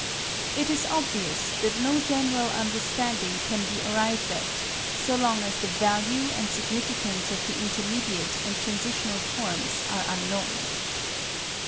It is obvious that no general under standing can be arrived at, so long as the value and significance of the intermediate and transitional forms are unknown.